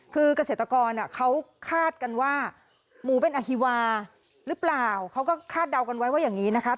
คือเกษตรกรเขาคาดกันว่าหมูเป็นอฮิวาหรือเปล่าเขาก็คาดเดากันไว้ว่าอย่างนี้นะคะ